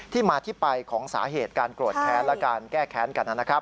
ที่มาที่ไปของสาเหตุการโกรธแค้นและการแก้แค้นกันนะครับ